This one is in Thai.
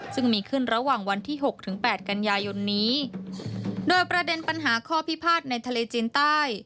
ซึ่งมีขึ้นระหว่างวันที่หกถึงแปดกันยายนนี้โดยประเด็นปัญหาข้อพิพาทในทะเลจีนใต้